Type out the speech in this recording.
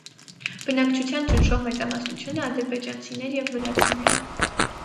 Բնակչության ճնշող մեծամասնությունը ադրբեջանցիներ և վրացիներ են։